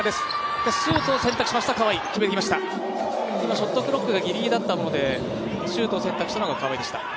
ショットクロックがギリギリだったものでシュートを選択したのが川井でした。